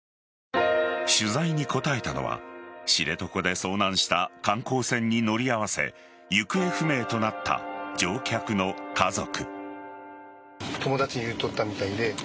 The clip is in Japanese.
取材に答えたのは知床で遭難した観光船に乗り合わせ行方不明となった乗客の家族。